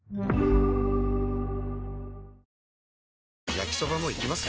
焼きソバもいきます？